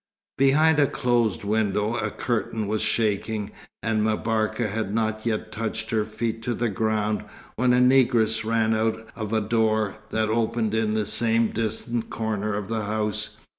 Behind a closed window a curtain was shaking; and M'Barka had not yet touched her feet to the ground when a negress ran out of a door that opened in the same distant corner of the house.